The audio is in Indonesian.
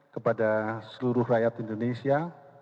kepada seluruh rakyat indonesia